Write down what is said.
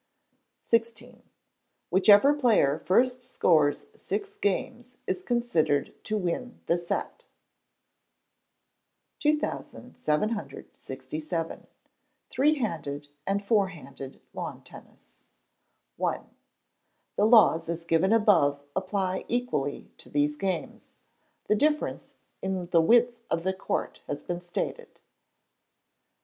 xvi. Whichever player first scores six games is considered to win the set. 2767. Three Handed and Four Handed Lawn Tennis. i. The laws as given above apply equally to these games. The difference in the width of the court has been stated.